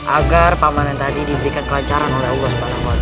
agar paman yang tadi diberikan kelancaran oleh allah swt